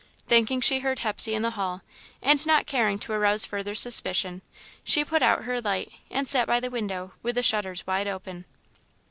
Thinking she heard Hepsey in the hall, and not caring to arouse further suspicion, she put out her light and sat by the window, with the shutters wide open.